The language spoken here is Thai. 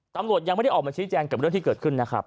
ตำรวจยังไม่ได้ออกมาชี้แจงกับเรื่องที่เกิดขึ้นนะครับ